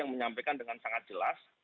menyampaikan dengan sangat jelas